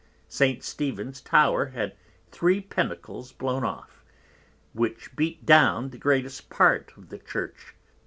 St. Stephen's Tower had three Pinnacles blown off, which beat down the greatest part of the Church.